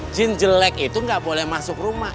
jin jelek itu nggak boleh masuk rumah